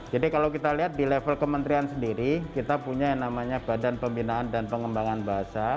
jadi kalau kita lihat di level kementerian sendiri kita punya yang namanya badan pembinaan dan pengembangan bahasa